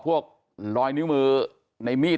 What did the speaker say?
รอยนิ้วมือในมีด